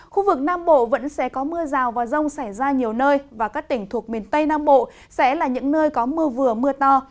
khu vực nam bộ vẫn sẽ có mưa rào và rông xảy ra nhiều nơi và các tỉnh thuộc miền tây nam bộ sẽ là những nơi có mưa vừa mưa to